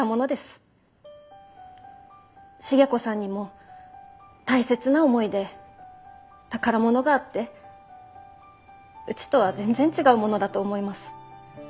重子さんにも大切な思い出宝物があってうちとは全然違うものだと思います。